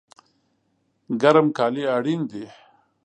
ګرم کالی اړین دي